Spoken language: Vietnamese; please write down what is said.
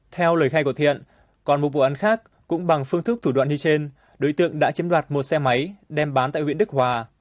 theo lời khai của thiện còn một vụ án khác cũng bằng phương thức thủ đoạn như trên đối tượng đã chiếm đoạt một xe máy đem bán tại huyện đức hòa